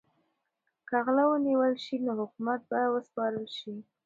که غله ونیول شي نو حکومت ته به وسپارل شي.